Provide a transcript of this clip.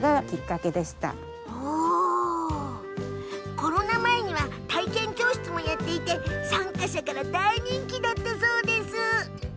コロナ前は体験教室もやっていて参加者から大人気だったそうよ。